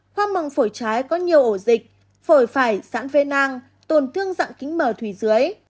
khoa mỏng phổi trái có nhiều ổ dịch phổi phải dãn phế nang tổn thương dạng kính mờ thủy dưới